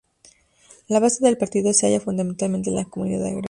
La base del partido se halla fundamentalmente en la comunidad agraria.